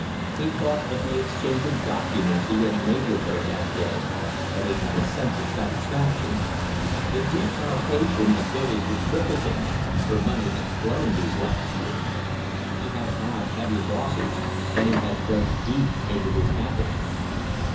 He thought of the exchange of documents he had made with her that day, and he had a sense of satisfaction. This defalcation of Billy's would cripple him, for money had flown these last few years. He had had heavy losses, and he had dug deep into his capital.